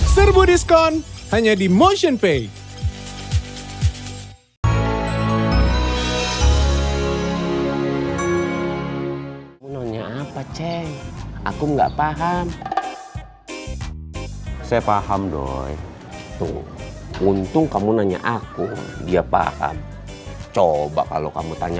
serbu diskon hanya di motionpay